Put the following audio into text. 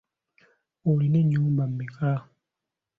Olina ennyumba mmeka?